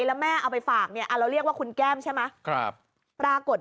แล้วแม่เอาไปฝากเนี่ยเราเรียกว่าคุณแก้มใช่ไหมครับปรากฏ